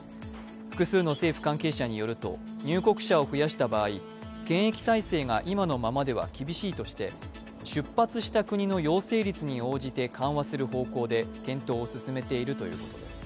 複数の政府関係者によると入国者を増やした場合、検疫体制が今のままでは厳しいとして、出発した国の陽性率に応じて緩和する方向で検討を進めているということです。